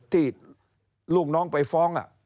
ที่ลูกน้องไปฟ้อง